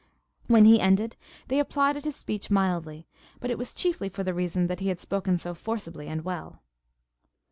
When he ended they applauded his speech mildly; but it was chiefly for the reason that he had spoken so forcibly and well.